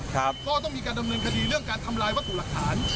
ก็ต้องมีการดำเนินคดีเรื่องการทำลายวัตถุหลักฐาน